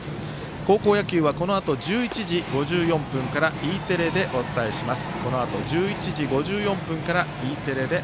高校野球はこのあと１１時５４分からＥテレでお伝えします。